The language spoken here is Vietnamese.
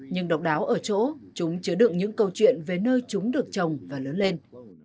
nhưng độc đáo ở chỗ chúng chứa đựng những câu chuyện về nơi chúng được trồng và lớn lên